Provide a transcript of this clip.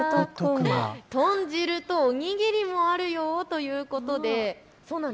豚汁とお握りもあるよということで。